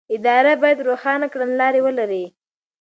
اداره باید روښانه کړنلارې ولري.